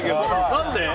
何で？